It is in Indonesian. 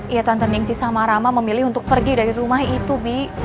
ya tante ningsi sama rama memilih untuk pergi dari rumah itu bi